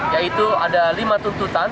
yaitu ada lima tuntutan